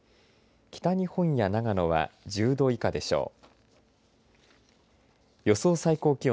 北日本や長野は１０度以下でしょう。